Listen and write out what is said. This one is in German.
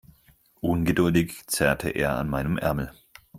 Ungeduldig zerrte er an meinem Ärmel.